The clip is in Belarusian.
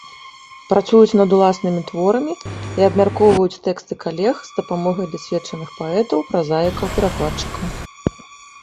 Працуюць над ўласнымі творамі і абмяркоўваюць тэксты калег з дапамогай дасведчаных паэтаў, празаікаў, перакладчыкаў.